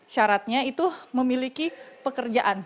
syaratnya itu memiliki pekerjaan